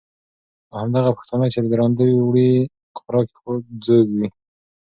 او همدغه پښتانه، چې درانده وړي خوراک یې ځوز وي،